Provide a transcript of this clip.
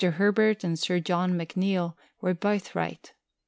Herbert and Sir John McNeill were both right.